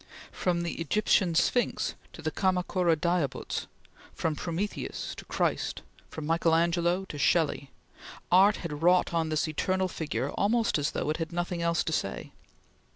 From the Egyptian Sphinx to the Kamakura Daibuts; from Prometheus to Christ; from Michael Angelo to Shelley, art had wrought on this eternal figure almost as though it had nothing else to say.